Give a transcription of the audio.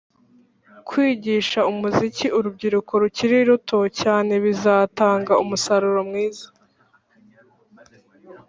Kwigisha umuziki urubyiruko rukiri ruto cyane bizatanga umusaruro mwiza